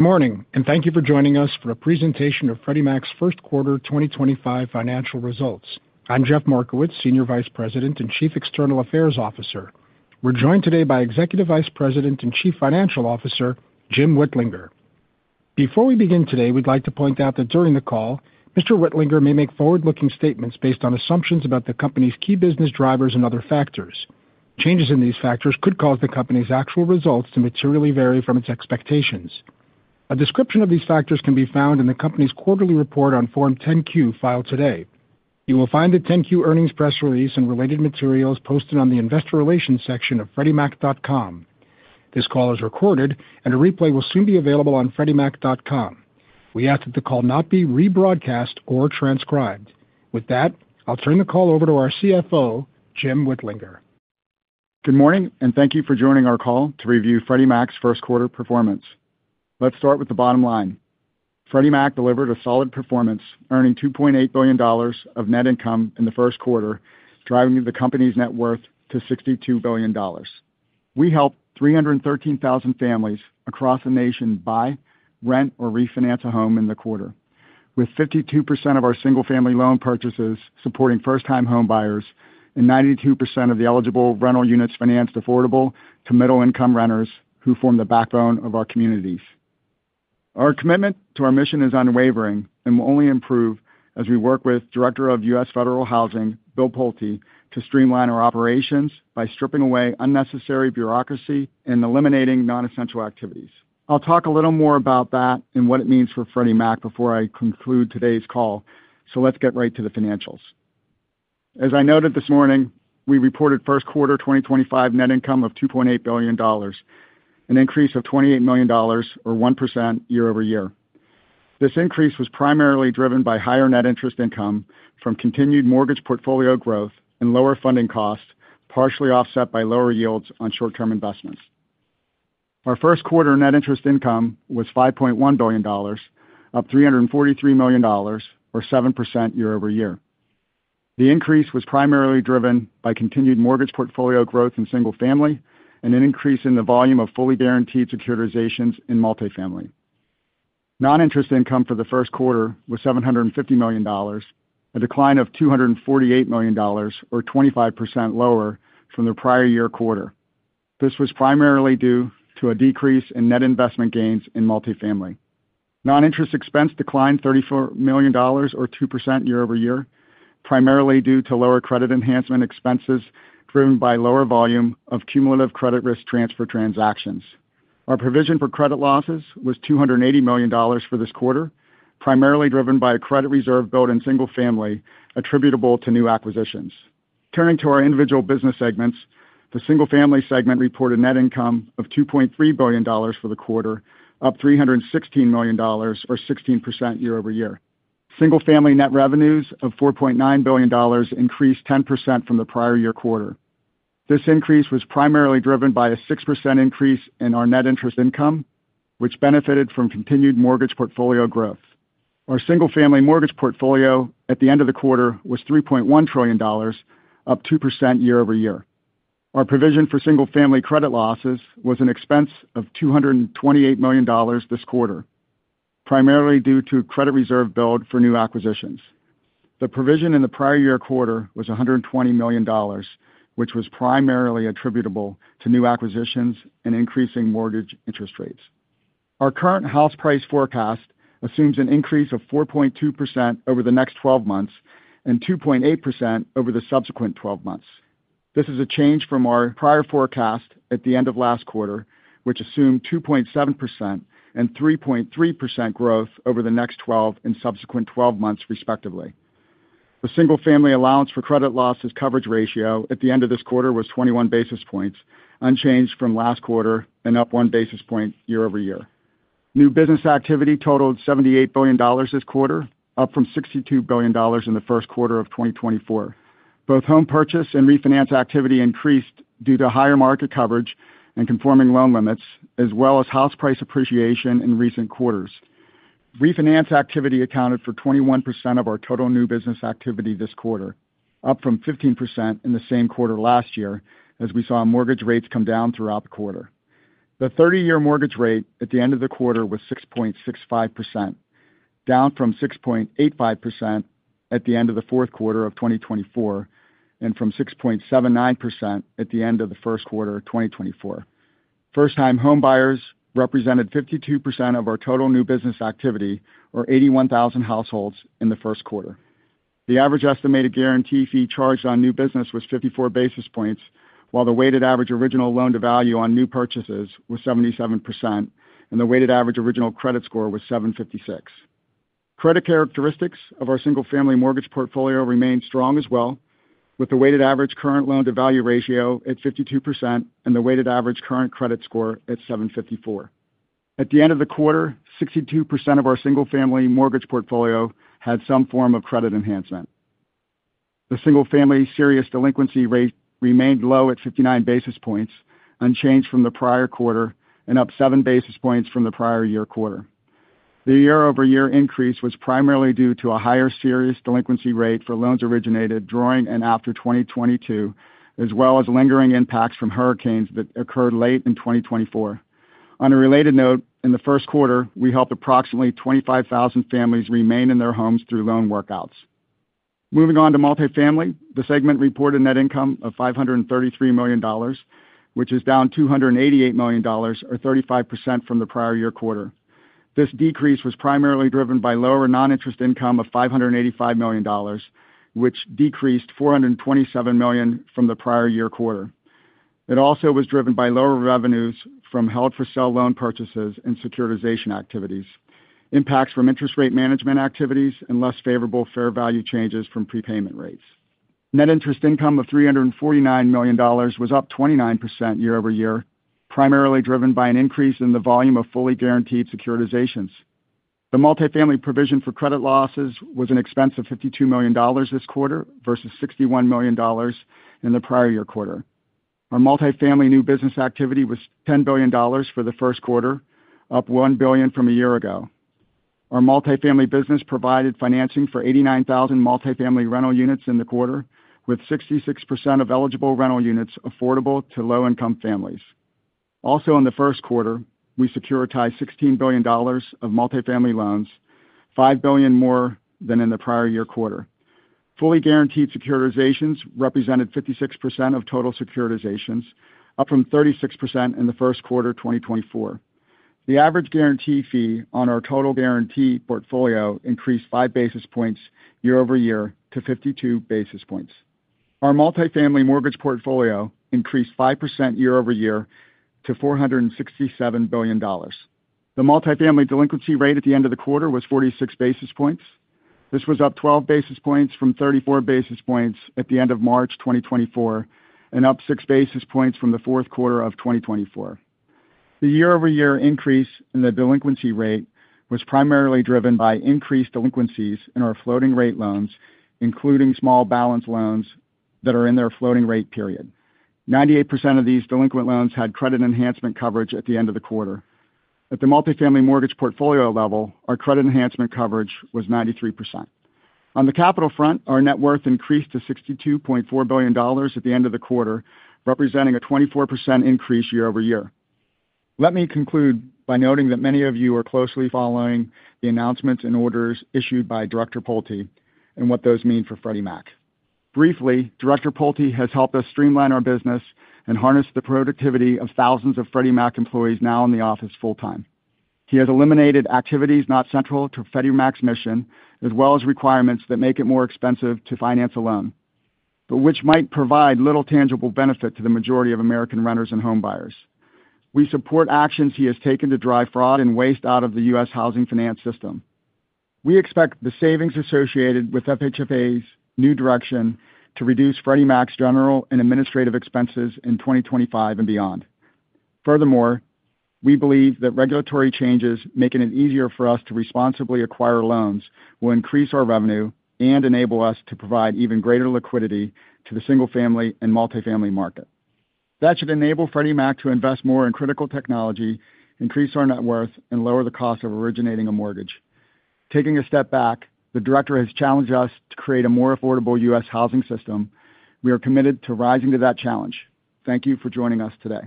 Good morning, and thank you for joining us for a presentation of Freddie Mac's first quarter 2025 financial results. I'm Jeff Markowitz, Senior Vice President and Chief External Affairs Officer. We're joined today by Executive Vice President and Chief Financial Officer, Jim Whitlinger. Before we begin today, we'd like to point out that during the call, Mr. Whitlinger may make forward-looking statements based on assumptions about the company's key business drivers and other factors. Changes in these factors could cause the company's actual results to materially vary from its expectations. A description of these factors can be found in the company's quarterly report on Form 10-Q filed today. You will find the 10-Q earnings press release and related materials posted on the investor relations section of freddiemac.com. This call is recorded, and a replay will soon be available on freddiemac.com. We ask that the call not be rebroadcast or transcribed. With that, I'll turn the call over to our CFO, Jim Whitlinger. Good morning, and thank you for joining our call to review Freddie Mac's first quarter performance. Let's start with the bottom line. Freddie Mac delivered a solid performance, earning $2.8 billion of net income in the first quarter, driving the company's net worth to $62 billion. We helped 313,000 families across the nation buy, rent, or refinance a home in the quarter, with 52% of our single-family loan purchases supporting first-time home buyers and 92% of the eligible rental units financed affordable to middle-income renters who form the backbone of our communities. Our commitment to our mission is unwavering and will only improve as we work with Director of U.S. Federal Housing, Bill Pulte, to streamline our operations by stripping away unnecessary bureaucracy and eliminating non-essential activities. I'll talk a little more about that and what it means for Freddie Mac before I conclude today's call, so let's get right to the financials. As I noted this morning, we reported first quarter 2025 net income of $2.8 billion, an increase of $28 million, or 1% year-over-year. This increase was primarily driven by higher net interest income from continued mortgage portfolio growth and lower funding costs, partially offset by lower yields on short-term investments. Our first quarter net interest income was $5.1 billion, up $343 million, or 7% year-over-year. The increase was primarily driven by continued mortgage portfolio growth in single-family and an increase in the volume of fully guaranteed securitizations in multi-family. Non-interest income for the first quarter was $750 million, a decline of $248 million, or 25% lower from the prior year quarter. This was primarily due to a decrease in net investment gains in multi-family. Non-interest expense declined $34 million, or 2% year-over-year, primarily due to lower credit enhancement expenses driven by lower volume of cumulative credit risk transfer transactions. Our provision for credit losses was $280 million for this quarter, primarily driven by a credit reserve build in single-family attributable to new acquisitions. Turning to our individual business segments, the single-family segment reported net income of $2.3 billion for the quarter, up $316 million, or 16% year-over-year. Single-family net revenues of $4.9 billion increased 10% from the prior year quarter. This increase was primarily driven by a 6% increase in our net interest income, which benefited from continued mortgage portfolio growth. Our single-family mortgage portfolio at the end of the quarter was $3.1 trillion, up 2% year-over-year. Our provision for single-family credit losses was an expense of $228 million this quarter, primarily due to credit reserve build for new acquisitions. The provision in the prior year quarter was $120 million, which was primarily attributable to new acquisitions and increasing mortgage interest rates. Our current house price forecast assumes an increase of 4.2% over the next 12 months and 2.8% over the subsequent 12 months. This is a change from our prior forecast at the end of last quarter, which assumed 2.7% and 3.3% growth over the next 12 and subsequent 12 months, respectively. The single-family allowance for credit losses coverage ratio at the end of this quarter was 21 basis points, unchanged from last quarter and up 1 basis point year-over-year. New business activity totaled $78 billion this quarter, up from $62 billion in the first quarter of 2024. Both home purchase and refinance activity increased due to higher market coverage and conforming loan limits, as well as house price appreciation in recent quarters. Refinance activity accounted for 21% of our total new business activity this quarter, up from 15% in the same quarter last year, as we saw mortgage rates come down throughout the quarter. The 30-year mortgage rate at the end of the quarter was 6.65%, down from 6.85% at the end of the fourth quarter of 2024 and from 6.79% at the end of the first quarter of 2024. First-time home buyers represented 52% of our total new business activity, or 81,000 households in the first quarter. The average estimated guarantee fee charged on new business was 54 basis points, while the weighted average original loan to value on new purchases was 77%, and the weighted average original credit score was 756. Credit characteristics of our single-family mortgage portfolio remained strong as well, with the weighted average current loan to value ratio at 52% and the weighted average current credit score at 754. At the end of the quarter, 62% of our single-family mortgage portfolio had some form of credit enhancement. The single-family serious delinquency rate remained low at 59 basis points, unchanged from the prior quarter, and up 7 basis points from the prior year quarter. The year-over-year increase was primarily due to a higher serious delinquency rate for loans originated during and after 2022, as well as lingering impacts from hurricanes that occurred late in 2024. On a related note, in the first quarter, we helped approximately 25,000 families remain in their homes through loan workouts. Moving on to multi-family, the segment reported net income of $533 million, which is down $288 million, or 35% from the prior year quarter. This decrease was primarily driven by lower non-interest income of $585 million, which decreased $427 million from the prior year quarter. It also was driven by lower revenues from held-for-sale loan purchases and securitization activities, impacts from interest rate management activities, and less favorable fair value changes from prepayment rates. Net interest income of $349 million was up 29% year-over-year, primarily driven by an increase in the volume of fully guaranteed securitizations. The multi-family provision for credit losses was an expense of $52 million this quarter versus $61 million in the prior year quarter. Our multi-family new business activity was $10 billion for the first quarter, up $1 billion from a year ago. Our multi-family business provided financing for 89,000 multi-family rental units in the quarter, with 66% of eligible rental units affordable to low-income families. Also, in the first quarter, we securitized $16 billion of multi-family loans, $5 billion more than in the prior year quarter. Fully guaranteed securitizations represented 56% of total securitizations, up from 36% in the first quarter 2024. The average guarantee fee on our total guarantee portfolio increased 5 basis points year-over-year to 52 basis points. Our multi-family mortgage portfolio increased 5% year-over-year to $467 billion. The multi-family delinquency rate at the end of the quarter was 46 basis points. This was up 12 basis points from 34 basis points at the end of March 2024, and up 6 basis points from the fourth quarter of 2024. The year-over-year increase in the delinquency rate was primarily driven by increased delinquencies in our floating-rate loans, including small balance loans that are in their floating-rate period. 98% of these delinquent loans had credit enhancement coverage at the end of the quarter. At the multi-family mortgage portfolio level, our credit enhancement coverage was 93%. On the capital front, our net worth increased to $62.4 billion at the end of the quarter, representing a 24% increase year-over-year. Let me conclude by noting that many of you are closely following the announcements and orders issued by Director Pulte and what those mean for Freddie Mac. Briefly, Director Pultey has helped us streamline our business and harness the productivity of thousands of Freddie Mac employees now in the office full-time. He has eliminated activities not central to Freddie Mac's mission, as well as requirements that make it more expensive to finance a loan, but which might provide little tangible benefit to the majority of American renters and home buyers. We support actions he has taken to drive fraud and waste out of the U.S. housing finance system. We expect the savings associated with FHFA's new direction to reduce Freddie Mac's general and administrative expenses in 2025 and beyond. Furthermore, we believe that regulatory changes making it easier for us to responsibly acquire loans will increase our revenue and enable us to provide even greater liquidity to the single-family and multi-family market. That should enable Freddie Mac to invest more in critical technology, increase our net worth, and lower the cost of originating a mortgage. Taking a step back, the Director has challenged us to create a more affordable U.S. housing system. We are committed to rising to that challenge. Thank you for joining us today.